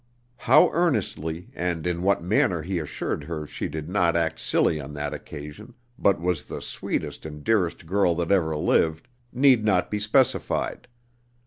How earnestly, and in what manner he assured her she did not act silly on that occasion, but was the sweetest and dearest girl that ever lived, need not be specified.